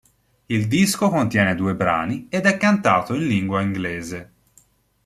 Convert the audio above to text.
Il disco contiene due brani ed è cantato in lingua inglese.